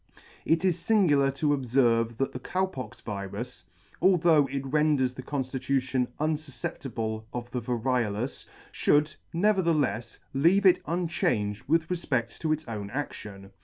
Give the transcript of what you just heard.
2 It [ 47 ] It is lingular to obferve that the Cow pox virus, although it renders the conftitution unfufceptible of the variolous, fhould, neverthelefs , leave it unchanged with refpedt to its own adtion.